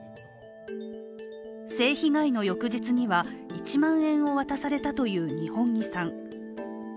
性被害の翌日には、１万円を渡されたという二本樹さん。